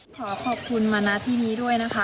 ขอขอบคุณมานะที่นี้ด้วยนะคะ